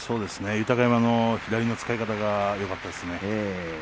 豊山の左の使い方がよかったですね。